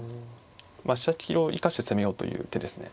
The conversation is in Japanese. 飛車利きを生かして攻めようという手ですね。